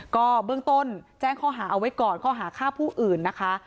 ก็เบื้องต้นแจ้งข้อหาเอาไว้ก่อนข้อหาฆ่าผู้อื่นนะคะ